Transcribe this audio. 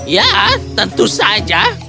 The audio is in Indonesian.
ya tentu saja